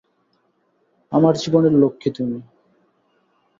আমার জীবনের লক্ষ্মী তুমি।